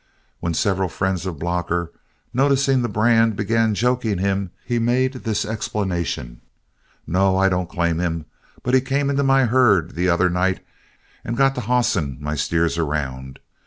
When several friends of Blocker, noticing the brand, began joking him, he made this explanation: "No, I don't claim him; but he came into my herd the other night and got to hossing my steers around.